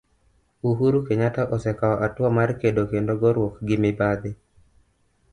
Uhuru Kenyatta osekao atua mar kedo kendo goruok gi mibadhi.